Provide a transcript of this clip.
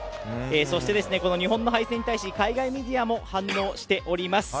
そして日本の敗戦に対し海外メディアも反応しております。